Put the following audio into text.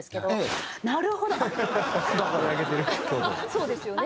そうですよね。